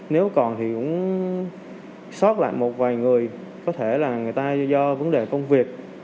nếu còn thì cũng sót lại một vài người có thể là người ta do vấn đề công việc